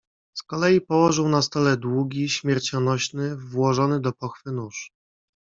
"Z kolei położył na stole długi, śmiercionośny, włożony do pochwy nóż."